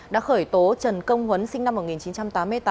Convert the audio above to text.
đã khởi tố trần công huấn sinh năm một nghìn chín trăm tám mươi tám